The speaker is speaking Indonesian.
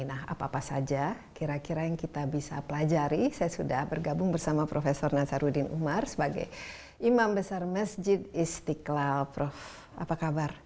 nah apa apa saja kira kira yang kita bisa pelajari saya sudah bergabung bersama prof nasaruddin umar sebagai imam besar masjid istiqlal prof apa kabar